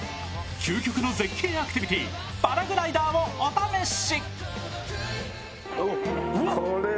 究極の絶景アクティビティーパラグライダーをお試し！